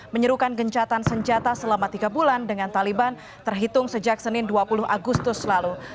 menyerukan gencatan senjata selama tiga bulan dengan taliban terhitung sejak senin dua puluh agustus lalu